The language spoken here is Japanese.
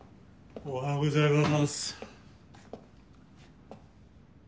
おはようございます。